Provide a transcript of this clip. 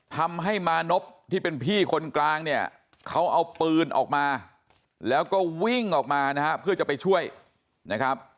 ทำให้มานพที่เป็นพี่คนกลางเนี่ยเขาเอาปืนออกมาแล้วก็วิ่งออกมานะฮะเพื่อจะไปช่วยนะครับ